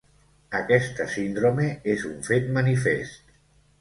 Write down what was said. Aquesta síndrome és un fet manifest.